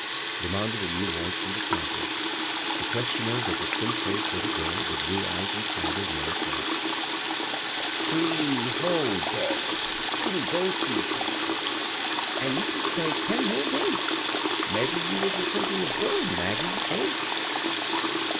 demanded a new voice from the ^dewalk. The questioner was a thin bced little giri with blue eyes and tangled yellow curls. "Three whole dollara — Skinny Goldstein said so; an' ye can stay ten whole d^ys. Mebbe you was a thinldn' o* goin', Maggie ; eh?"